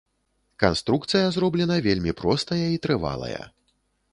Канструкцыя зроблена вельмі простая і трывалая.